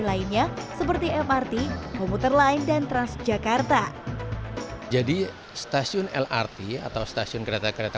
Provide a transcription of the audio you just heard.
lainnya seperti mrt komuter lain dan transjakarta jadi stasiun lrt atau stasiun kereta kereta